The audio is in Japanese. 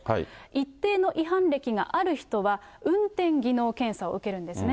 一定の違反歴がある人は、運転技能検査を受けるんですね。